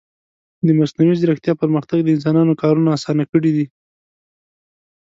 د مصنوعي ځیرکتیا پرمختګ د انسانانو کارونه آسانه کړي دي.